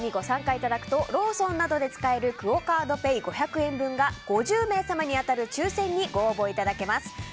視聴者投票にご参加いただくとローソンなどで使えるクオ・カードペイ５００円分が５０名様に当たる抽選にご応募いただけます。